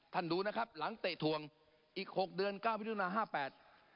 ดูนะครับหลังเตะถวงอีกหกเดือนเก้ามิถุนาห้าแปด